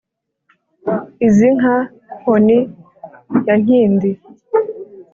izi nka nkoni ya nkindi